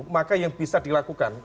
maka yang bisa dilakukan